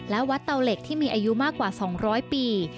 และวัดเตาเหล็กที่มีอายุมากกว่า๒๐๐ปี